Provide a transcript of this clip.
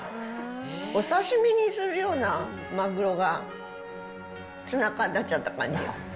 お刺身にするようなマグロが、ツナ缶になっちゃった感じよ。